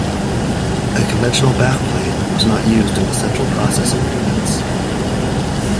A conventional backplane was not used in the central processing units.